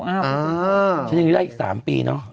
อ้าวฉะนั้นได้อีก๓ปีเนอะ